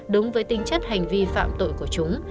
đúng với tinh chất hành vi phạm tội của chúng